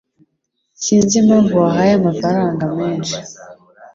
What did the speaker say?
Sinzi impamvu wahaye amafaranga menshi.